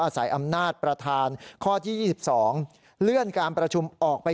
อาศัยอำนาตประธานข้อที่สิบสองเลื่อนการประชุมออกไป